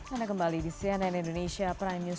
anda kembali di cnn indonesia prime news